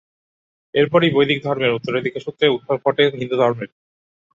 এরপরই বৈদিক ধর্মের উত্তরাধিকার সূত্রে উদ্ভব ঘটে হিন্দুধর্মের।